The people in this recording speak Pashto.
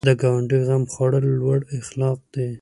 د ګاونډي غم خوړل لوړ اخلاق دي